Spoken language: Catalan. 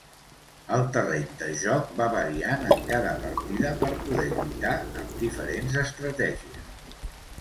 El terreny de joc va variant en cada partida per poder lluitar amb diferents estratègies.